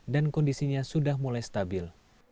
dan kondisinya sudah mulai stabil